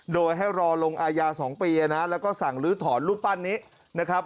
โดยให้รอลงอายา๒ปีนะแล้วก็สั่งลื้อถอนรูปปั้นนี้นะครับ